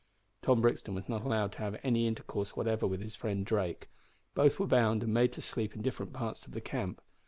Tom Brixton was not allowed to have any intercourse whatever with his friend Drake. Both were bound and made to sleep in different parts of the camp.